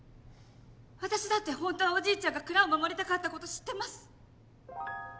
私だって本当はおじいちゃんが蔵を守りたかったこと知ってます。